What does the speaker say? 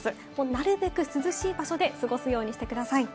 なるべく涼しい場所で過ごすようにしてください。